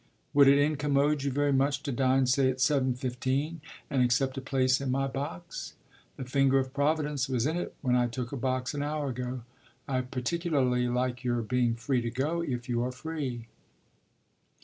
"Would it incommode you very much to dine say at 7.15 and accept a place in my box? The finger of Providence was in it when I took a box an hour ago. I particularly like your being free to go if you are free."